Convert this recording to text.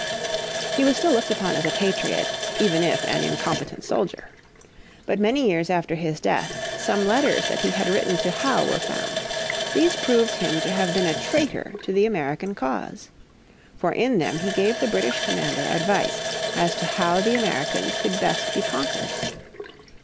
He was still looked upon as a patriot, even if an incompetent soldier. But many years after his death some letters that he had written to Howe were found. These proved him to have been a traitor to the American cause. For in them he gave the British commander advice as to how the Americans cold best be conquered.